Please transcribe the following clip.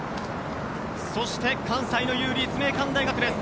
そして、関西の雄立命館大学です。